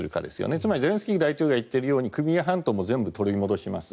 つまりゼレンスキー大統領が言っているようにクリミア半島も全部取り戻します。